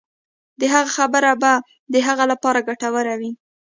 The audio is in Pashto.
د هغه خبرې به د هغه لپاره ګټورې وي.